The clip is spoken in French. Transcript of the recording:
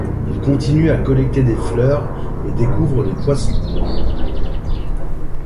Il continue à collecter des fleurs et découvre les poissons.